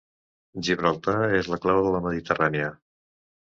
Gibraltar és la clau de la Mediterrània.